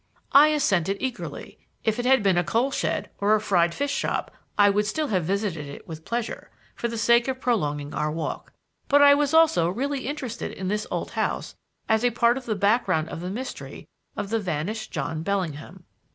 I assented eagerly. If it had been a coal shed or a fried fish shop I would still have visited it with pleasure, for the sake of prolonging our walk; but I was also really interested in this old house as a part of the background of the mystery of the vanished John Bellingham.